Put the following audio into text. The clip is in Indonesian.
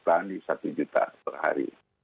tahan di satu juta per hari